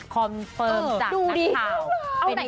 คอมเฟิร์มจากนักข่าว